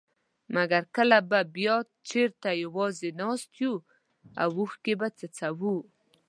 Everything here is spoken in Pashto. مګر کله به بيا چېرته يوازي ناست يو او اوښکي به څڅوو.